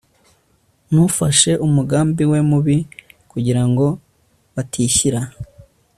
ntufashe umugambi we mubi kugira ngo batishyira